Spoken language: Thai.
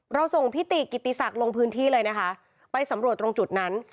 เราส่งพิติกิติศักดิ์ลงพื้นที่เลยนะคะไปสำรวจตรงจุดนั้น